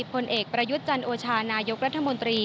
ผลเอกประยุทธ์จันโอชานายกรัฐมนตรี